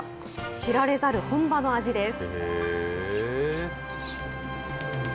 知られざる本場の味です。